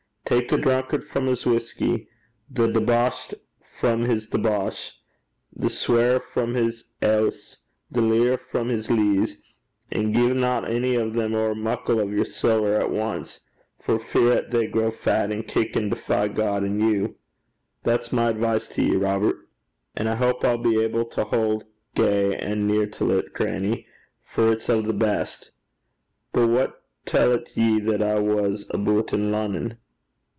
Tak the drunkard frae his whusky, the deboshed frae his debosh, the sweirer frae his aiths, the leear frae his lees; and giena ony o' them ower muckle o' yer siller at ance, for fear 'at they grow fat an' kick an' defy God and you. That's my advice to ye, Robert.' 'And I houp I'll be able to haud gey and near till 't, grannie, for it's o' the best. But wha tellt ye what I was aboot in Lonnon?'